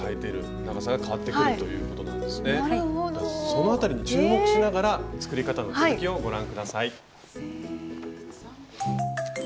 その辺りに注目しながら作り方の続きをご覧下さい。